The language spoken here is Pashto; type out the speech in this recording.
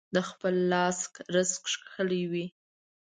د خپل لاس رزق ښکلی وي.